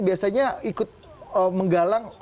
biasanya ikut menggalang